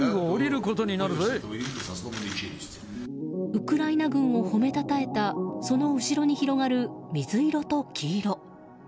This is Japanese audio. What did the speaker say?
ウクライナ軍を褒めたたえたその後ろに広がる水色と黄色。